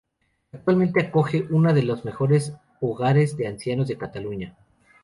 Actualmente acoge una de los mejores hogares de ancianos de Cataluña.